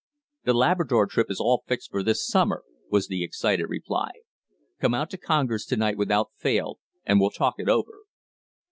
"The Labrador trip is all fixed for this summer," was the excited reply. "Come out to Congers to night without fail, and we'll talk it over."